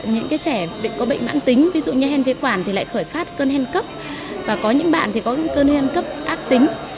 những cái trẻ có bệnh nặng tính ví dụ như hen phế quản thì lại khởi phát cơn hen cấp và có những bạn thì có cơn hen cấp ác tính